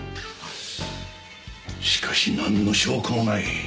しかしなんの証拠もない。